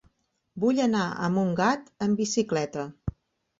Vull anar a Montgat amb bicicleta.